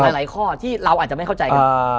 หลายข้อที่เราอาจจะไม่เข้าใจกัน